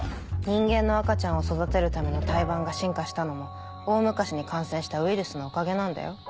人間の赤ちゃんを育てるための胎盤が進化したのも大昔に感染したウイルスのおかげなんだよ。